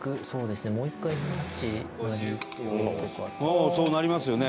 伊達：そうなりますよね。